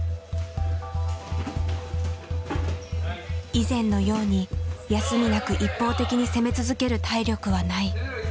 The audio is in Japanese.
以前のように休みなく一方的に攻め続ける体力はない。